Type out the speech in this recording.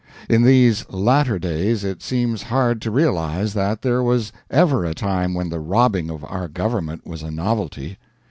In these latter days it seems hard to realize that there was ever a time when the robbing of our government was a novelty.